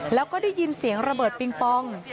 แล้วก็ได้ยินเสียงระเบิดปิงปอง